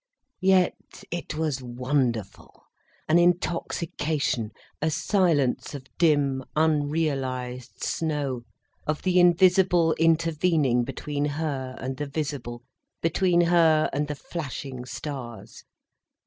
Yet it was wonderful, an intoxication, a silence of dim, unrealised snow, of the invisible intervening between her and the visible, between her and the flashing stars.